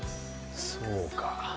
そうか。